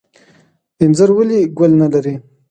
انځر ولې ګل نلري؟